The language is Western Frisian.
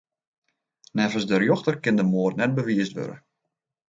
Neffens de rjochter kin de moard net bewiisd wurde.